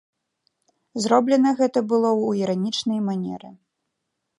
Зроблена гэта было ў іранічнай манеры.